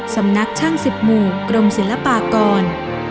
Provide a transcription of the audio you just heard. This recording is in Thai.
สำนักช่าง๑๐หมู่กรมศิลปากร